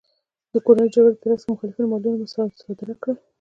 د کورنیو جګړو په ترڅ کې یې د مخالفینو مالونه مصادره کړل